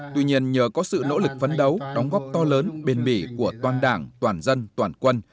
tuy nhiên nhờ có sự nỗ lực vấn đấu đóng góp to lớn bên mỹ của toàn đảng toàn dân toàn quân